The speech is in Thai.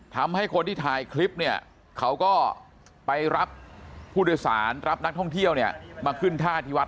ทำให้คนที่ถ่ายคลิปเนี่ยเขาก็ไปรับผู้โดยสารรับนักท่องเที่ยวเนี่ยมาขึ้นท่าที่วัด